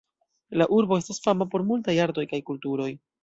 La urbo estas fama por multaj artoj kaj kulturoj.